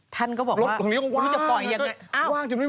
ท่านก็บอกว่ารถของนี้ก็ว่าง